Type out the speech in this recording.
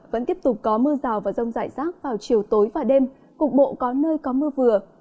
vẫn tiếp tục có mưa rào và rông rải rác vào chiều tối và đêm cục bộ có nơi có mưa vừa